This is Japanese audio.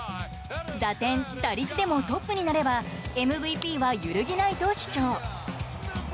打点、打率でもトップになればＭＶＰは揺るぎないと主張。